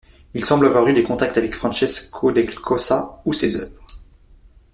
Il semble avoir eu des contacts avec Francesco del Cossa ou ses œuvres.